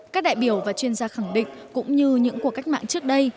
các đại biểu và chuyên gia khẳng định cũng như những cuộc cách mạng trước đây